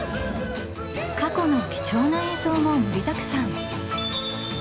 過去の貴重な映像も盛りだくさん